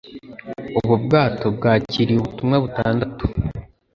Ubu bwato bwakiriye ubutumwa butandatu